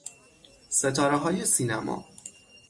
ستارههای سینما